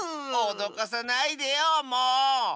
おどかさないでよもう！